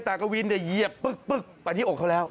แต่กวินเนี่ยเหยียบปึ๊กไปที่อกเขาแล้ว